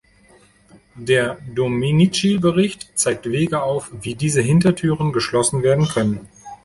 Der Domenici-Bericht zeigt Wege auf, wie diese Hintertüren geschlossen werden können.